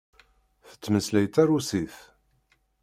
Tettmeslay tarusit.